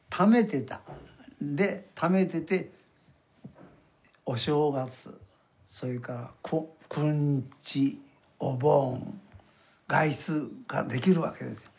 でためててお正月それからくんちお盆外出ができるわけですよ。